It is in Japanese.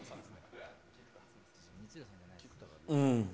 うん。